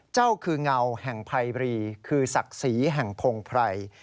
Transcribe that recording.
เจ้าคืองาวแห่งไพรีคือศักดิ์สีแห่งพงไพร